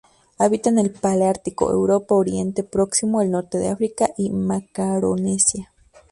Habita en el paleártico: Europa, Oriente Próximo, el norte de África y Macaronesia.